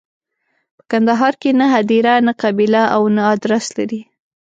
په کندهار کې نه هدیره، نه قبیله او نه ادرس لري.